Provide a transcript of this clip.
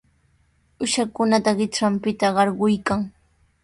Uushakunata qintranpita qarquykan.